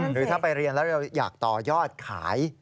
หรือถ้าไปเรียนแล้วอยากต่อยอดขาย